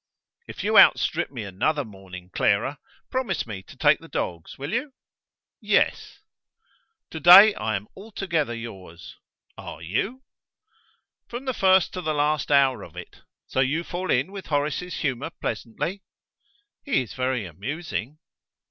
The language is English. "If you outstrip me another morning, Clara, promise me to take the dogs; will you?" "Yes." "To day I am altogether yours." "Are you?" "From the first to the last hour of it! So you fall in with Horace's humour pleasantly?" "He is very amusing."